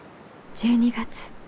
１２月。